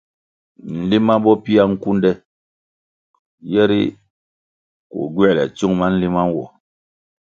Nlima bo pia nkunde yeri koh gywēle tsiung ma nlima nwo.